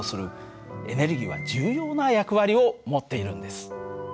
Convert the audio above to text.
エネルギーは重要な役割を持っているんです。